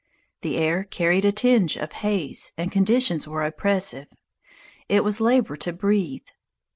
The air carried a tinge of haze, and conditions were oppressive. It was labor to breathe.